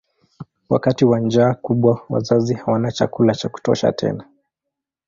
Wakati wa njaa kubwa wazazi hawana chakula cha kutosha tena.